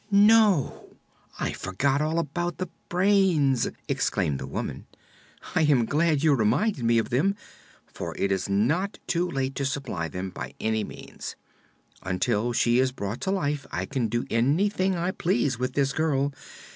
"No; I forgot all about the brains!" exclaimed the woman. "I am glad you reminded me of them, for it is not too late to supply them, by any means. Until she is brought to life I can do anything I please with this girl.